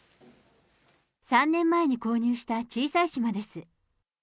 ３年前に購入した小さい島です。